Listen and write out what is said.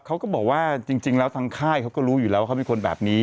เขาก็บอกว่าจริงแล้วทางค่ายเขาก็รู้อยู่แล้วว่าเขาเป็นคนแบบนี้